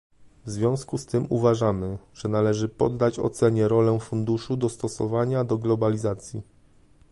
W związku z tym uważamy, że należy poddać ocenie rolę funduszu dostosowania do globalizacji